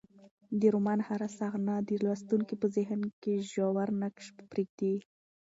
د رومان هره صحنه د لوستونکي په ذهن کې ژور نقش پرېږدي.